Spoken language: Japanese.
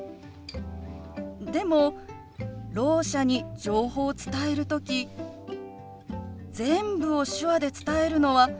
でもろう者に情報を伝える時全部を手話で伝えるのは難しいと思うの。